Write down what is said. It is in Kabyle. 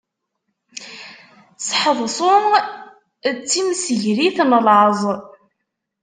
Sḥeḍṣu, d timsegrit n laẓ.